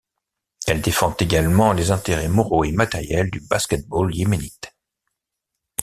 Elle défend également les intérêts moraux et matériels du basket-ball yéménite.